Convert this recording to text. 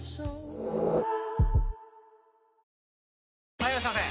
・はいいらっしゃいませ！